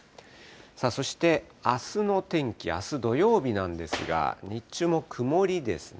そしてあすの天気、あす土曜日なんですが、日中も曇りですね。